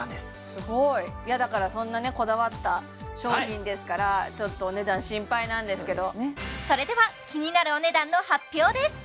すごいいやだからそんなねこだわった商品ですからちょっとお値段心配なんですけどそれでは気になるお値段の発表です！